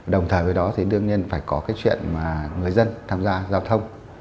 đồng thời với đó thì đương nhiên phải có cái chuyện mà người dân tham gia giao thông